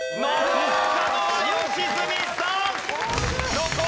残ったのは良純さん。